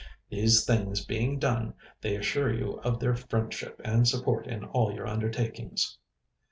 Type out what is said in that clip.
These things being done, they assure you of their friendship and support in all your undertakings.